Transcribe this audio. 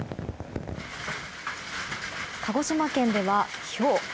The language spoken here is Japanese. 鹿児島県では、ひょう。